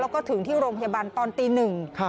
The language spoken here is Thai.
แล้วก็ถึงที่โรงพยาบาลตอนตีหนึ่ง